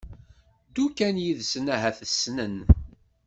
ddu kan yid-sen ahat ssnen